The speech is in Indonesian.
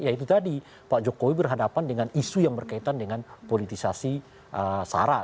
ya itu tadi pak jokowi berhadapan dengan isu yang berkaitan dengan politisasi sara